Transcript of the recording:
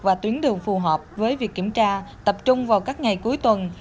và tuyến đường phù hợp với việc kiểm tra tập trung vào các ngày cuối tuần